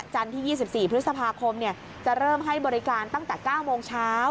ที่๒๔พฤษภาคมจะเริ่มให้บริการตั้งแต่๙โมงเช้า